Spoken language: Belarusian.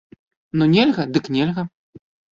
Ну, нельга, дык нельга.